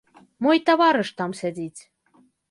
Мой таварыш там сядзіць.